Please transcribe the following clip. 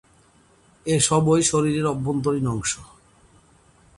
এ সবই শরীরের অভ্যন্তরীন অংশ।